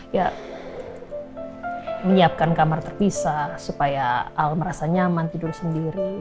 ya menyiapkan kamar terpisah supaya al merasa nyaman tidur sendiri